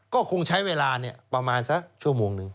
ก็คงใช้เวลาประมาณสักชั่วโมงหนึ่ง